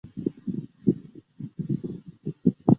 她是明朝书法家吕伯懿后裔。